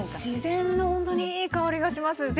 自然のほんとにいい香りがします。